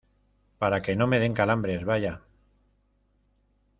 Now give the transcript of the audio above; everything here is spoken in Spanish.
para que no me den calambres. vaya .